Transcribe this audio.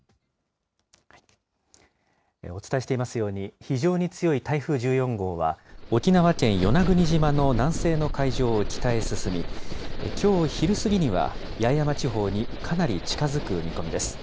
お伝えしていますように、非常に強い台風１４号は、沖縄県与那国島の南西の海上を北へ進み、きょう昼過ぎには、八重山地方にかなり近づく見込みです。